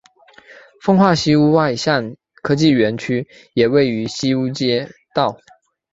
奉化西坞外向科技园区也位于西坞街道。